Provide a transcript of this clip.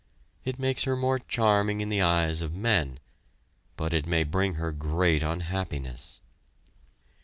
It makes her more charming in the eyes of men; but it may bring her great unhappiness.